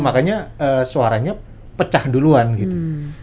makanya suaranya pecah duluan gitu